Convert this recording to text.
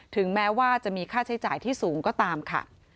ถึงแม้ว่าจะมีค่าใช้จ่ายที่สูงก็ตามค่ะ